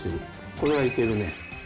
これはいけるね。